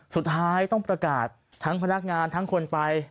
สุดท้ายต้องประกาศทั้งพนักงานทั้งคนไป